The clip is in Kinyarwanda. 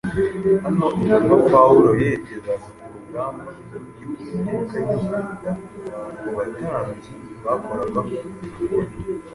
Hano intumwa Pawulo yerekezaga kuri gahunda y’Uwiteka yo kwita ku batambyi bakoraga mu ngoro